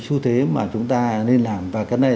xu thế mà chúng ta nên làm và cái này